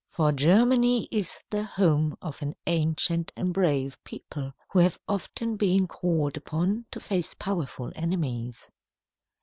For Germany is the home of an ancient and brave people, who have often been called upon to face powerful enemies.